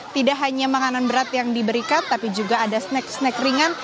tidak hanya makanan berat yang diberikan tapi juga ada snack snack ringan